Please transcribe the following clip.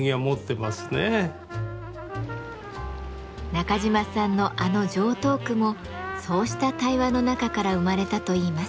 中島さんのあの常套句もそうした対話の中から生まれたといいます。